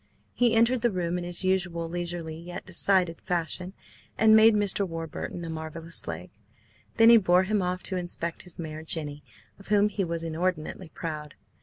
He entered the room in his usual leisurely yet decided fashion and made Mr. Warburton a marvellous leg. Then he bore him off to inspect his mare, Jenny, of whom he was inordinately proud.